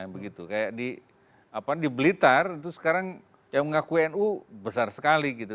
begitu kayak di blitar itu sekarang yang mengaku nu besar sekali gitu